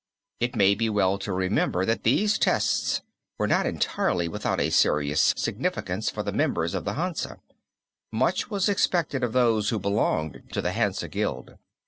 It may be well to remember that these tests were not entirely without a serious significance for the members of the Hansa. Much was expected of those who belonged to the Hansa Guild.